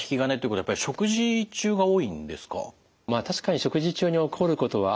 はい。